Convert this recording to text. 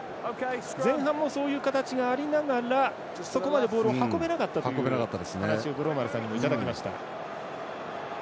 前半もそういう形がありながらそこまでボールを運べなかったという話を五郎丸さんにもいただきました。